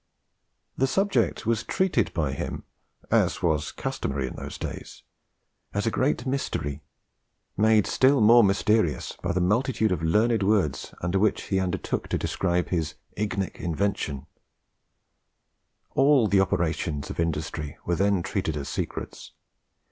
The subject was treated by him, as was customary in those days, as a great mystery, made still more mysterious by the multitude of learned words under which he undertook to describe his "Ignick Invention" All the operations of industry were then treated as secrets.